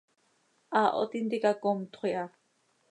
Haaho tintica comtxö iha.